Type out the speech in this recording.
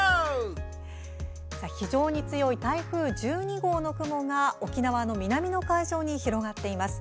非常に強い台風１２号の雲が沖縄の南の海上に広がっています。